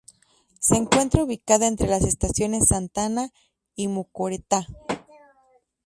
Se encuentra ubicada entre las estaciones Santa Ana y Mocoretá.